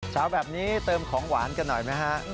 เช้าแบบนี้เติมของหวานกันหน่อยไหมฮะ